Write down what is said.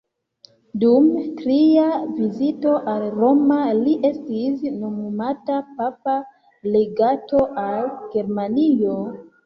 Dum tria vizito al Romo li estis nomumata papa legato al Germanio.